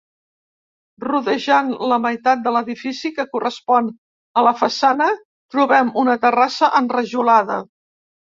Rodejant la meitat de l'edifici que correspon a la façana trobem una terrassa enrajolada.